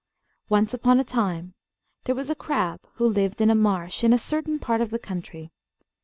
Once upon a time there was a crab who lived in a marsh in a certain part of the country.